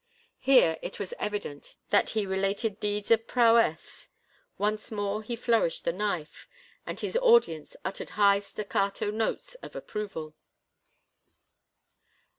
Here it was evident that he related deeds of prowess; once more he flourished the knife, and his audience uttered high staccato notes of approval.